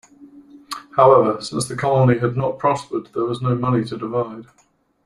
However, since the colony had not prospered, there was no money to divide.